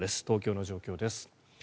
東京の状況です。